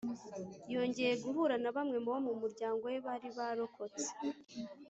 yongeye guhura na bamwe mu bo mu muryango we bari barokotse.